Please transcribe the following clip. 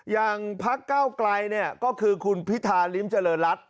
อย่างภาคเก้ากลายเนี่ยก็คือคุณพิธาลิมเจริรัตน์รัฐ